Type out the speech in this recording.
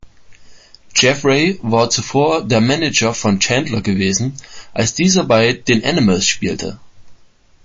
Jeffery war zuvor der Manager von Chandler gewesen, als dieser bei den Animals spielte.